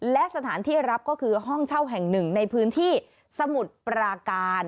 และสถานที่รับก็คือห้องเช่าแห่งหนึ่งในพื้นที่สมุทรปราการ